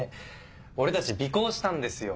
俺たち尾行したんですよ。